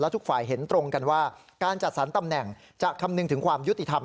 ทุกฝ่ายเห็นตรงกันว่าการจัดสรรตำแหน่งจะคำนึงถึงความยุติธรรม